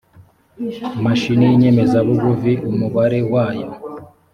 mashini y inyemezabuguzi umubare w ayo